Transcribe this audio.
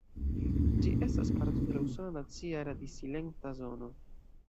Ĝi estas parto de la Usona Nacia Radi-Silenta Zono.